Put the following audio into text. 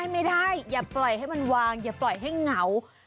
ไม่ได้อย่าปล่อยให้มันวางอย่าปล่อยให้เหงา